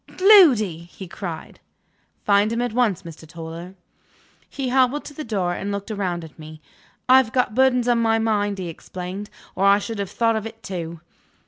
"Gloody!" he cried. "Find him at once, Mr. Toller." He hobbled to the door and looked round at me. "I've got burdens on my mind," he explained, "or I should have thought of it too."